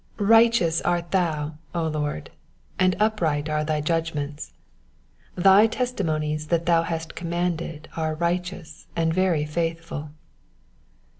RIGHTEOUS art thou, O Lord, and upright are thy juag ments. 138 Thy testimonies that thou hast commanded are righteous and very faithful.